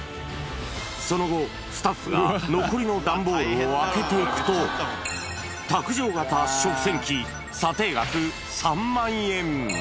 その後、スタッフが残りの段ボールを開けていくと、卓上型食洗機査定額３万円。